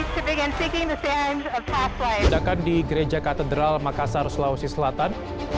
sedangkan di gereja katedral makassar sulawesi selatan